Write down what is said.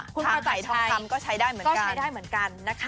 คุณประจักรชัยก็ใช้ได้เหมือนกัน